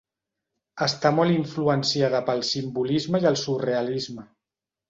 Està molt influenciada pel simbolisme i el surrealisme.